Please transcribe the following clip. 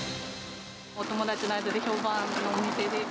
お友達の間で評判のお店で。